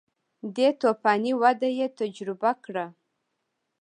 دې توفاني وده یې تجربه کړه